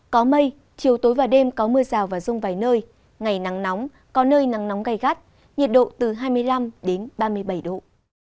có mây chiều tối và đêm có mưa rào và rông vài nơi ngày nắng nóng có nơi nắng nóng gai gắt nhiệt độ từ hai mươi năm ba mươi bảy độ